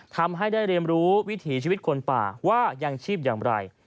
ทำให้ได้เรียนรู้วิถีชีวิตคนป่าว่ายังชีพอย่างไร